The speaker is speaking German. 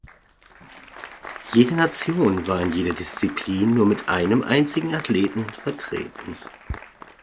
Jede Nation war in jeder Disziplin nur mit einem einzigen Athleten vertreten.